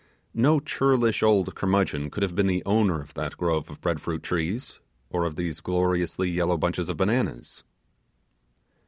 No churlish old curmudgeon could have been the owner of that grove of bread fruit trees, or of these gloriously yellow bunches of bananas.